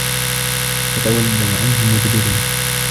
فَتَوَلَّوا عَنهُ مُدبِرينَ